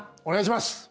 お願いします！